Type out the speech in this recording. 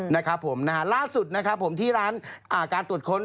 นะครับผมนะฮะล่าสุดนะครับผมที่ร้านการตรวจค้น